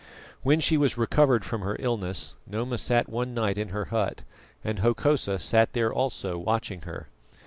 When she was recovered from her illness, Noma sat one night in her hut, and Hokosa sat there also watching her.